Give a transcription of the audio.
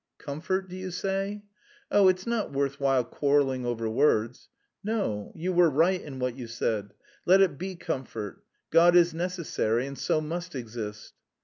"Comfort, do you say?" "Oh, it's not worth while quarrelling over words." "No, you were right in what you said; let it be comfort. God is necessary and so must exist."